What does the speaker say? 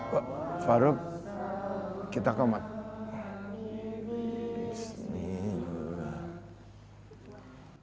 hai farouk kita komat hai bismillah